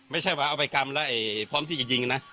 ไม่ใช่ว่าเอาไปกรรมแล้วพร้อมที่จะยิงนะ